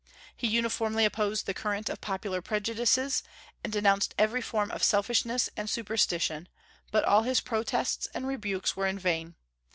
He uniformly opposed the current of popular prejudices, and denounced every form of selfishness and superstition; but all his protests and rebukes were in vain.